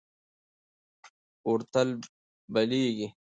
اور تل بلېږي.